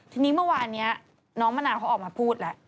ทีนี้เมื่อวานนี้น้องมะนาวเขาออกมาพูดแล้ว